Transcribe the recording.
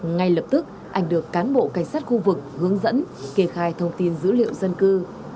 ngay lập tức anh được cán bộ cảnh sát khu vực hướng dẫn kê khai thông tin dữ liệu dân cư